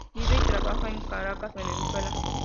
Vive y trabaja en Caracas, Venezuela.